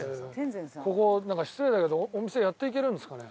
ここ失礼だけどお店やっていけるんですかね？